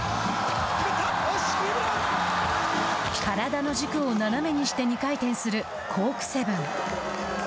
体の軸を斜めにして２回転するコークセブン。